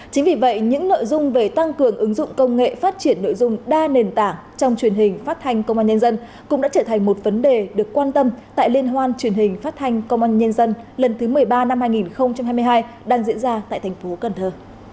chính vì vậy những nội dung về tăng cường ứng dụng công nghệ phát triển nội dung đa nền tảng trong truyền hình phát thanh công an nhân dân cũng đã trở thành một vấn đề được quan tâm tại liên hoan truyền hình phát thanh công an nhân dân lần thứ một mươi ba năm hai nghìn hai mươi hai đang diễn ra tại thành phố cần thơ